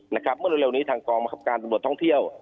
เมื่อเร็วนี้ทางกองบังคับการตำรวจท่องเที่ยว